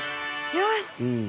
よし！